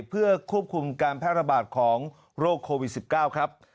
เพื่อควบคุมการแพร่ระบาดของโรคโควิด๑๙ครับ